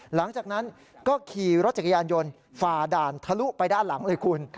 หลังจากนั้นก็ขี่รถจักรยานยนต์ฝ่าด่านทะลุไปด้านหลังเลยคุณ